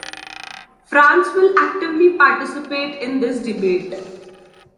France will actively participate in this debate.